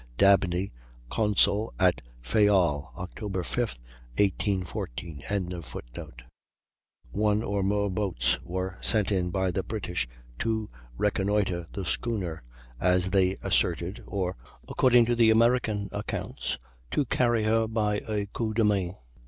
Dabney, Consul at Fayal, Oct. 5, 1814.] One or more boats were sent in by the British, to reconnoitre the schooner, as they asserted, or, according to the American accounts, to carry her by a coup de main.